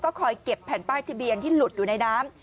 คอยเก็บแผ่นป้ายทะเบียนที่หลุดอยู่ในน้ำ